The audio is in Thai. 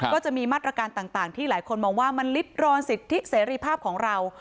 ก็จะมีมาตรการต่างที่หลายคนมองว่ามันลิดรอนสิทธิเสรีภาพของเรา